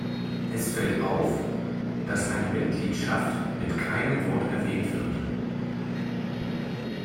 Es fällt auf, dass eine Mitgliedschaft mit keinem Wort erwähnt wird.